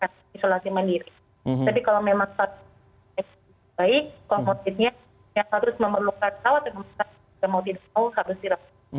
kalau mau tidak mau harus dirobil